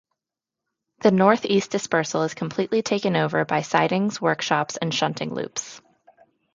The north-east dispersal is completely taken over by sidings, workshops and shunting loops.